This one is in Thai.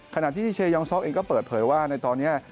ขณะที่เชยองซอกเองก็เปิดเผยว่าในตอนนี้